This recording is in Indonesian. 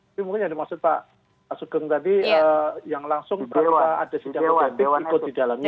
ini mungkin ada maksud pak sugeng tadi yang langsung ada sidang etik ikut di dalamnya